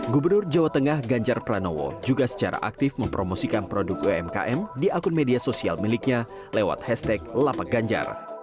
gubernur jawa tengah ganjar pranowo juga secara aktif mempromosikan produk umkm di akun media sosial miliknya lewat hashtag lapak ganjar